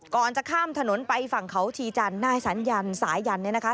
ก่อนจะข้ามถนนไปฝั่งเขาชีจันทร์นายสัญญันสายันเนี่ยนะคะ